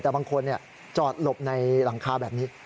แต่บางคนจอดหลบในหลังคาแบบนี้